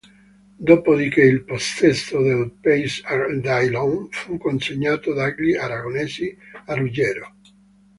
Dopo di che il possesso del "Pays d'Ailon" fu consegnato dagli aragonesi a Ruggero.